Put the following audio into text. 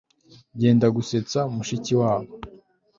byendagusetsa mushikiwabo